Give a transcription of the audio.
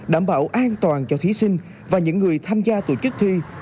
đảm bảo an toàn cho thí sinh và những người tham gia tổ chức thi